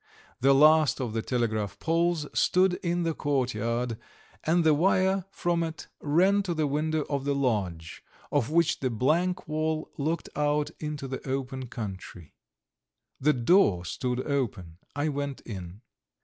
The last of the telegraph poles stood in the courtyard, and the wire from it ran to the window of the lodge, of which the blank wall looked out into the open country. The door stood open; I went in.